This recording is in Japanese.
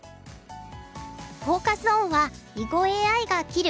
フォーカス・オンは「囲碁ＡＩが斬る！